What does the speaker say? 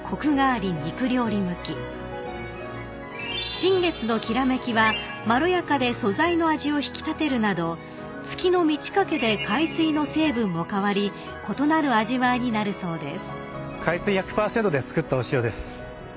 ［新月の煌はまろやかで素材の味を引き立てるなど月の満ち欠けで海水の成分も変わり異なる味わいになるそうです］